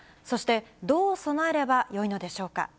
そして、どう備えればよいのでしょうか。